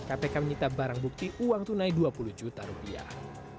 kpk menyita barang bukti uang tunai dua puluh juta rupiah